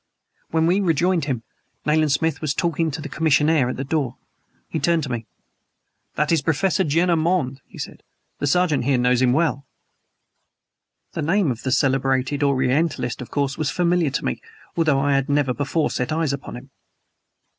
When we rejoined him, Nayland Smith was talking to the commissionaire at the door. He turned to me. "That is Professor Jenner Monde," he said. "The sergeant, here, knows him well." The name of the celebrated Orientalist of course was familiar to me, although I had never before set eyes upon him.